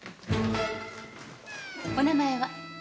お名前は？